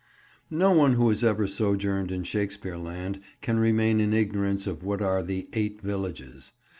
NO one who has ever sojourned in Shakespeare land can remain in ignorance of what are the "Eight Villages."